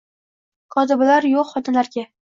Kotibalar yo‘q xonalarga